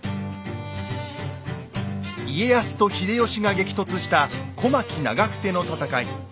家康と秀吉が激突した小牧・長久手の戦い。